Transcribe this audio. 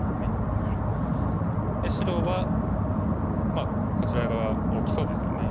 で白はまあこちら側大きそうですよね。